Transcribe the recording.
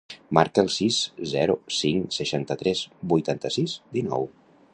Marca el sis, zero, cinc, seixanta-tres, vuitanta-sis, dinou.